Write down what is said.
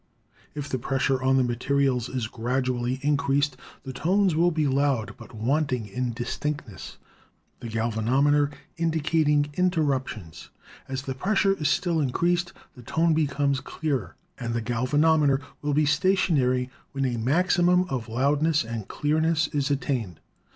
If the pressure on the materials is grad ually increased the tones will be loud but wanting in distinctness, the galvanometer indicating interruptions; as the pressure is still increased, the tone becomes clearer, and the galvanometer will be stationary when a maximum of loudness and clearness is attained.